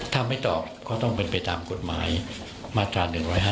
ถ้าไม่ตอบก็ต้องเป็นไปตามกฎหมายมาตรา๑๕